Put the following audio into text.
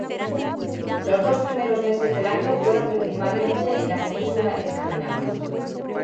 Los dos primeros meses del año fueron principalmente en la península escandinava.